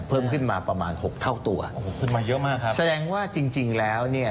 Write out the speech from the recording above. เพิ่มขึ้นมาประมาณหกเท่าตัวโอ้โหขึ้นมาเยอะมากครับแสดงว่าจริงจริงแล้วเนี่ย